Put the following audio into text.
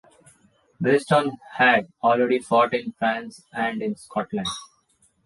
Beeston had already fought in France and in Scotland.